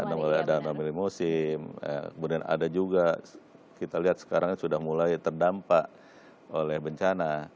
namanya ada namanya musim kemudian ada juga kita lihat sekarang sudah mulai terdampak oleh bencana